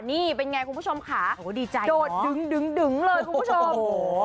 นี่เป็นไงคุณผู้ชมค่ะโดดดึงดึงเลยคุณผู้ชม